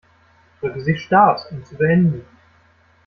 Drücken Sie Start, um zu beenden.